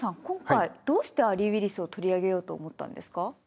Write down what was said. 今回どうしてアリー・ウィリスを取り上げようと思ったんですか？